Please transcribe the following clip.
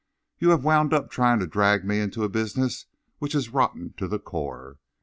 You have wound up by trying to drag me into a business which is rotten to the core.